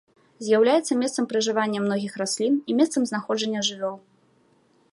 З'яўляецца месцам пражывання многіх раслін і месцам знаходжання жывёл.